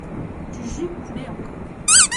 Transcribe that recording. Du jus coulait encore.